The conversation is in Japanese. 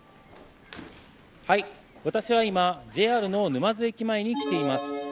私は今、ＪＲの沼津駅前に来ています。